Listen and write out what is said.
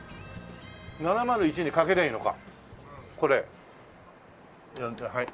７０１にかけりゃいいのかこれ。はい。